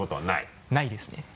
ないですね。